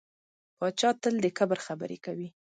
پاچا تل د کبر خبرې کوي .